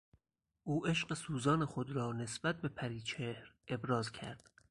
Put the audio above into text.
او عشق سوزان خود را نسبت به پریچهر ابراز کرد.